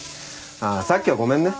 あーさっきはごめんね。